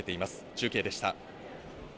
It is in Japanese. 中継でした。